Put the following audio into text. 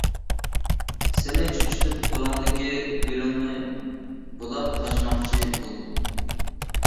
سېنى چۆچۈتۈپ قولۇڭدىكى گۈلۈڭنى بۇلاپ قاچماقچى بولدۇم.